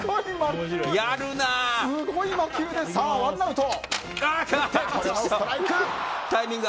すごい魔球でワンアウト。